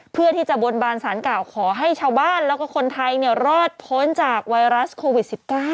เพื่อที่จะบนบานสารกล่าวขอให้ชาวบ้านแล้วก็คนไทยรอดพ้นจากไวรัสโควิด๑๙